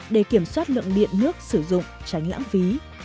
để kiểm soát lượng điện nước sử dụng tránh lãng phí